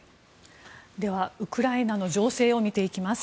では、ウクライナの情勢を見ていきます。